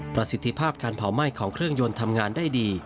ประสิทธิภาพการเผาไหม้ของเครื่องยนต์ทำงานได้ดี